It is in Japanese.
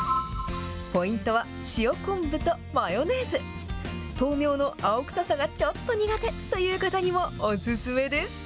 ポイントは、塩昆布とマヨネーズ。とうみょうの青臭さがちょっと苦手という方にもお勧めです。